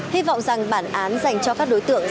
hy vọng rằng bản án dành cho các đối tượng